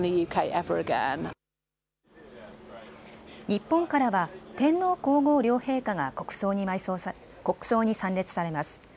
日本からは天皇皇后両陛下が国葬に参列されます。